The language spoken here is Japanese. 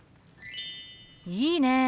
いいね！